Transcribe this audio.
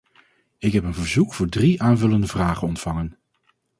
Ik heb een verzoek voor drie aanvullende vragen ontvangen.